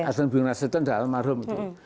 asal bung nasrithun jal marhum itu